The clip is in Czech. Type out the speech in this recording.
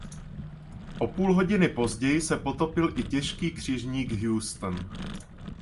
O půl hodiny později se potopil i těžký křižník "Houston".